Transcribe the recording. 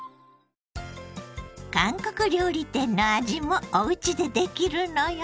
韓国料理店の味もおうちでできるのよ。